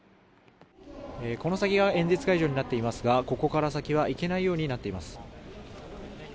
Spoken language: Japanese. この先が演説会場になっていますがここから先は行けないようになっています。